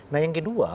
nah yang kedua